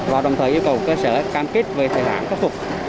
và đồng thời yêu cầu cơ sở cam kết về thời hạn khắc phục